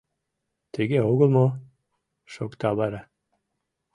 Тыге огыл мо?» — шокта вара.